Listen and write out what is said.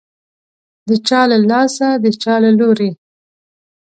د چا له لاسه، د چا له لوري